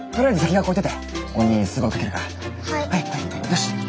よし！